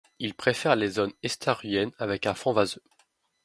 Il préfère les zones estuariennes avec un fond vaseux.